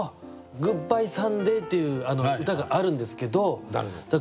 「グッバイサンデー」っていう歌があるんですけど。